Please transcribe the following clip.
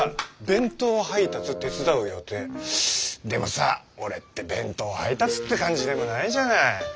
でもさ俺って弁当配達って感じでもないじゃない。